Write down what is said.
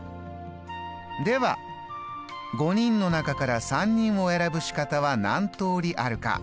では５人の中から３人を選ぶ仕方は何通りあるか。